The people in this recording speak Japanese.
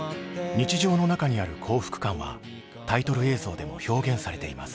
日常の中にある幸福感はタイトル映像でも表現されています。